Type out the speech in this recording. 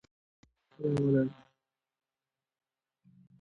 څېړونکي باید په پوره ایماندارۍ خپل کار ترسره کړي.